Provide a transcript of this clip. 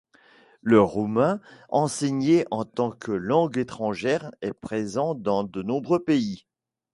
Le roumain enseigné en tant que langue étrangère est présent dans de nombreux pays.